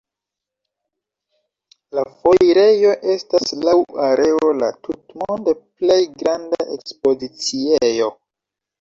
La foirejo estas laŭ areo la tutmonde plej granda ekspoziciejo.